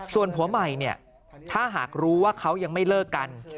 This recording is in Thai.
ส่วนผัวใหม่เนี่ยถ้าหากรู้ว่าเขายังไม่เลิกกัน